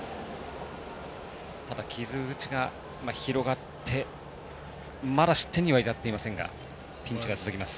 ただ、傷口が広がってまだ失点には至っていませんがピンチが続きます。